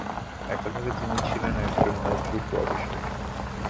একাধারে তিনি একজন নজরুল গবেষক।